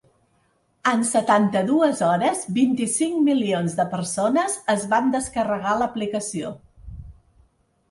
En setanta-dues hores, vint-i-cinc milions de persones es van descarregar l’aplicació.